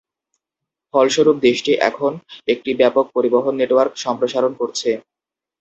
ফলস্বরূপ, দেশটি এখন একটি ব্যাপক পরিবহন নেটওয়ার্ক সম্প্রসারণ করছে।